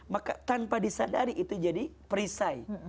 maka tanpa disadari itu jadi perisai